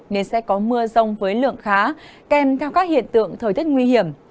nên sẽ có mưa rông với lượng khá kèm theo các hiện tượng thời tiết nguy hiểm